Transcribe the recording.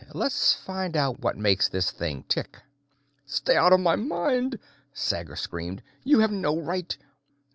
Let's find out what makes this thing tick." "Stay out of my mind!" Sager screamed. "You have no right!"